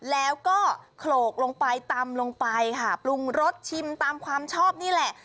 แล้วก็โขลกลงไปตำลงไปค่ะปรุงรสชิมตามความชอบนี่แหละ